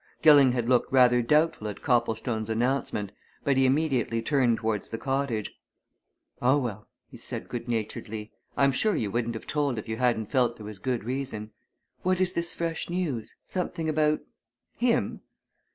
Gilling had looked rather doubtful at Copplestone's announcement, but he immediately turned towards the cottage. "Oh, well!" he said good naturedly. "I'm sure you wouldn't have told if you hadn't felt there was good reason. What is this fresh news? something about him?"